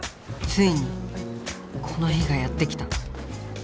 ついにこの日がやって来た。